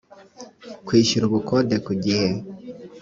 kwishyura ubukode ku gihe